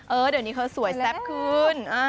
เดี๋ยวนี้เขาสวยแซ่บขึ้น